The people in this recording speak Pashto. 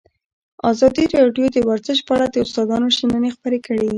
ازادي راډیو د ورزش په اړه د استادانو شننې خپرې کړي.